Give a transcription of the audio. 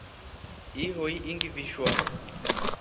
Ihoi ingivishwa.